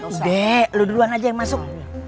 udah lu duluan aja yang masuk